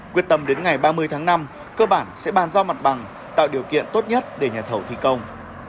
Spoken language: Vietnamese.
quyết tâm đến ngày ba mươi tháng năm cơ bản sẽ bàn giao mặt bằng tạo điều kiện tốt nhất để nhà thầu thi công